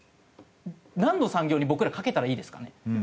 なんの産業に僕ら懸けたらいいですかね？